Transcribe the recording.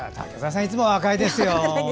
竹澤さんはいつも若いですよ。